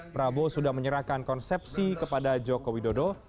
prabowo sudah menyerahkan konsepsi kepada joko widodo